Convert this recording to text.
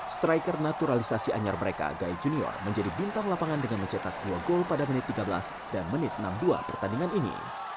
striker naturalisasi anyar mereka gai junior menjadi bintang lapangan dengan mencetak dua gol pada menit tiga belas dan menit enam puluh dua pertandingan ini